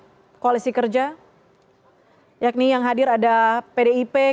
jokowi juga mendapatkan selamat dari partai politik dari koalisinya